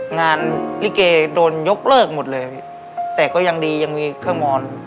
ลิเกโดนยกเลิกหมดเลยพี่แต่ก็ยังดียังมีเครื่องมอน